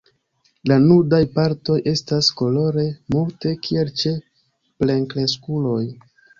La nudaj partoj estas kolore multe kiel ĉe plenkreskuloj.